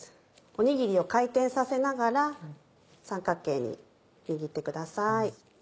おにぎりを回転させながら三角形に握ってください。